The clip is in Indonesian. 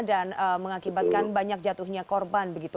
dan mengakibatkan banyak jatuhnya korban